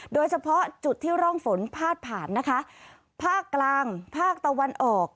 โดยเฉพาะจุดที่ร่องฝนพาดผ่านนะคะภาคกลางภาคตะวันออก